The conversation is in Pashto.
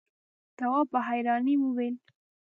تواب په حيرانی وويل: